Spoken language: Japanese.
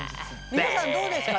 皆さんどうですか？